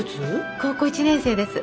高校１年生です。